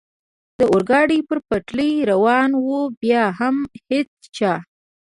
د اورګاډي پر پټلۍ روان و، بیا هم هېڅ چا.